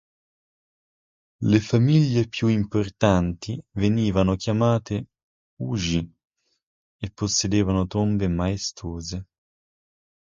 Le famiglie più importanti venivano chiamate "Uji" e possedevano tombe maestose.